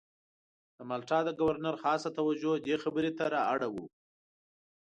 د مالټا د ګورنر خاصه توجه دې خبرې ته را اړوو.